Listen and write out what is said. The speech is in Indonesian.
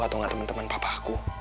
atau gak temen temen papa aku